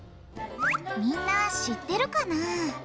みんな知ってるかな？